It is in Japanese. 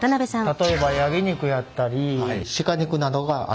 例えばヤギ肉やったり鹿肉などがありました。